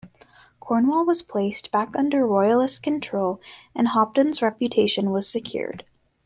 Cornwall was placed back under Royalist control and Hopton's reputation was secured.